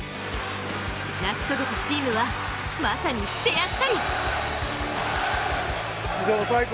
成し遂げたチームはまさにしてやったり。